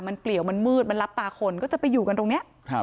มันเปลี่ยวมันมืดมันรับตาคนก็จะไปอยู่กันตรงนี้